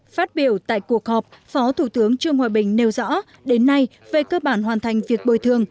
phát biểu tại cuộc họp phó thủ tướng trương hòa bình nêu rõ đến nay về cơ bản hoàn thành việc bồi thường